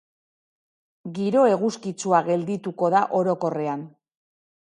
Giro eguzkitsua geldituko da orokorrean.